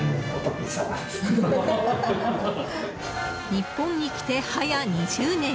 日本に来て、早２０年。